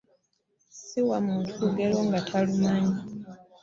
Ssiwa Muto Lugero nga talumanyi.